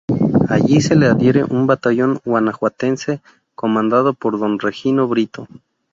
Allí se le adhiere un batallón guanajuatense comandado por don Regino Brito.